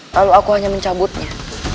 lalu aku hanya mencabutnya